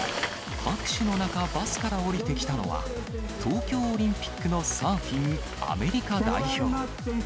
拍手の中、バスから降りてきたのは、東京オリンピックのサーフィンアメリカ代表。